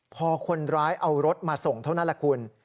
พอคนร้ายเอารถมาส่งเท่านั้นแหละคุณ